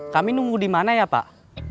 kami nunggu di mana ya pak